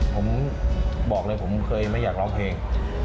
ผมบอกเลยผมเคยไม่อยากร้องเพลง